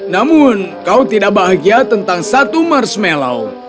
namun kau tidak bahagia tentang satu marshmallow